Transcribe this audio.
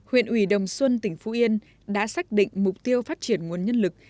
huyện ủy đồng xuân tỉnh phú yên đã xác định mục tiêu phát triển nguồn nhân lực